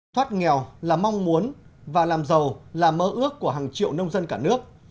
thoát nghèo là mong muốn và làm giàu là mơ ước của hàng triệu nông dân cả nước